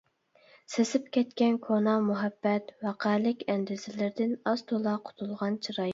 سېسىپ كەتكەن كونا مۇھەببەت ۋەقەلىك ئەندىزىلىرىدىن ئاز-تولا قۇتۇلغان چىراي.